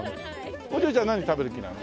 お嬢ちゃん何食べる気なの？